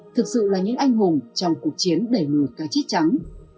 thực sự là những anh hùng trong cuộc chiến đẩy người cao chết trắng